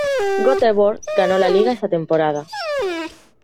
Göteborg ganó la liga esa temporada.